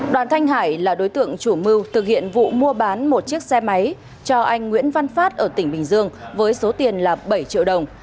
đoàn thanh hải là đối tượng chủ mưu thực hiện vụ mua bán một chiếc xe máy cho anh nguyễn văn phát ở tỉnh bình dương với số tiền là bảy triệu đồng